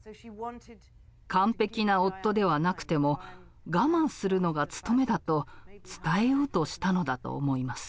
完璧な夫ではなくても我慢するのが務めだと伝えようとしたのだと思います。